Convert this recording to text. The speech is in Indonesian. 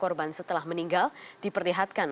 korban setelah meninggal diperlihatkan